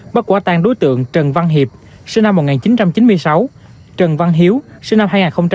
bắt quả tan đối tượng trần văn hiệp sinh năm một nghìn chín trăm chín mươi sáu trần văn hiếu sinh năm hai nghìn